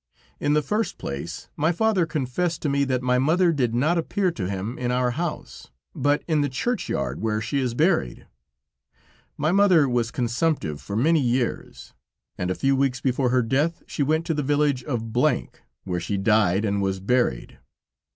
"In the first place, my father confessed to me, that my mother did not appear to him in our house, but in the churchyard where she is buried. My mother was consumptive for many years, and a few weeks before her death she went to the village of S , where she died and was buried.